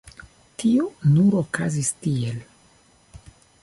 Tio nur okazis tiel.